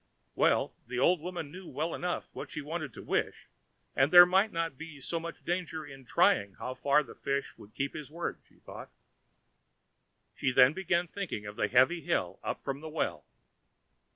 Well, the old woman knew well enough what she wanted to wish, and there might not be so much danger in trying how far the fish would keep his word, she thought. She then began thinking of the heavy hill up from the well.